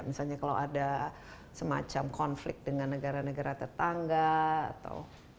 misalnya kalau ada semacam konflik dengan negara negara tetangga atau